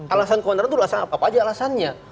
alasan keonaran itu alasan apa apa aja alasannya